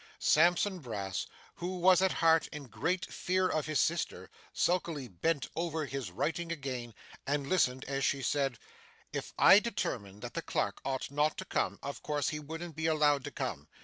Sampson Brass, who was at heart in great fear of his sister, sulkily bent over his writing again, and listened as she said: 'If I determined that the clerk ought not to come, of course he wouldn't be allowed to come.